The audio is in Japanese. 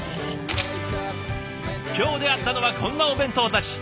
今日出会ったのはこんなお弁当たち。